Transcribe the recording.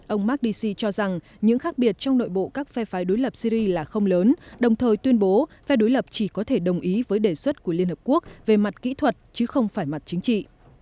ông margdisi cho rằng những khác biệt trong nội bộ các phe phái đối lập syri là không lớn đồng thời tuyên bố phe đối lập chỉ có thể đồng ý với đề xuất của liên hợp quốc về mặt kỹ thuật chứ không phải mặt chính trị